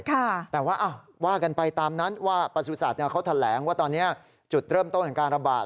แต่ว่าว่ากันไปตามนั้นว่าประสุทธิ์เขาแถลงว่าตอนนี้จุดเริ่มต้นของการระบาด